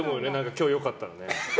今日、良かったらね。